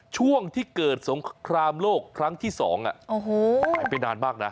ช่วงที่เกิดสงครามโลกครั้งที่๒หายไปนานมากนะ